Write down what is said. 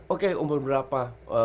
oke umur berapa